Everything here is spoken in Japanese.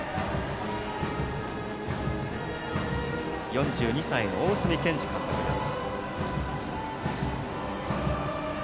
４２歳の大角健二監督です。